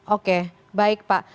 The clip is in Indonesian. oke baik pak